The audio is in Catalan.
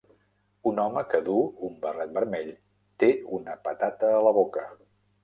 un home que duu un barret vermell té una patata a la boca.